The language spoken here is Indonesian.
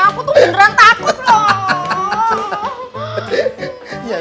aku tuh beneran takut